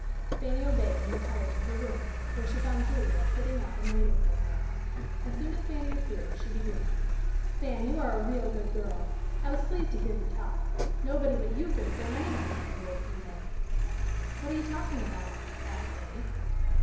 Fanny obeyed and retired to her room, where she found Julia sitting up and waiting for her. As soon as Fanny appeared she began, "Fan, you are a real good girl. I was pleased to hear you talk. Nobody but you could have done anything with the old heathen." "What are you talking about?" asked Fanny.